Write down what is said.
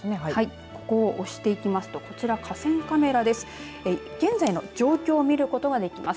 はい、ここを押していきますとこちら、河川カメラです。